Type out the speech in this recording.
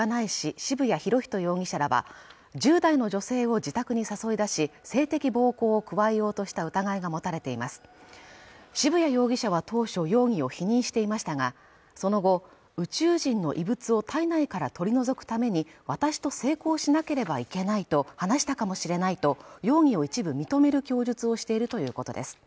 渋谷博仁容疑者らは１０代の女性を自宅に誘い出し性的暴行を加えようとした疑いが持たれています渋谷容疑者は当初容疑を否認していましたがその後宇宙人の異物を体内から取り除くために私と性交しなければいけないと話したかもしれないと容疑を一部認める供述をしているということです